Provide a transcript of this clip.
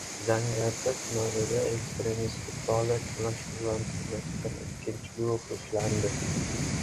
Zangiota tumanida ekstremistik faoliyat bilan shug‘ullanib kelayotgan «ikkinchi» guruh ushlandi